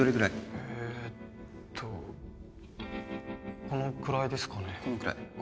えっとこのくらいですかねこのくらい？